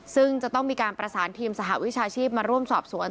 ซึ่งจะต้องมีการประสานทีมสหวิชาชีพมาร่วมสอบสวน